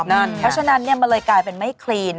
เพราะฉะนั้นมันเลยกลายเป็นไม่คลีน